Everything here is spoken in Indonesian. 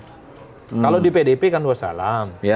kalau di pdp kan dua salam